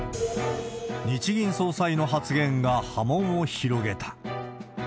日銀総裁の発言が波紋を広げた。